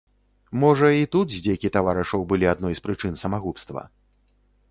Можа, і тут здзекі таварышаў былі адной з прычын самагубства?